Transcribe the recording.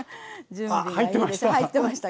あっ入ってました。